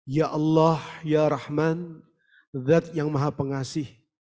ya allah ya rahman zat yang maha pengasih